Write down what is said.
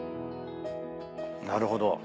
なるほど。